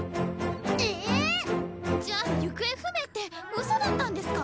ええ⁉じゃあ行方不明ってうそだったんですか